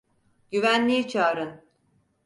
Güvenliği çağırın!